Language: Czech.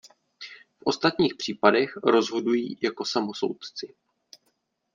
V ostatních případech rozhodují jako samosoudci.